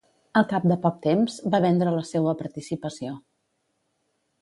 Al cap de poc temps va vendre la seua participació.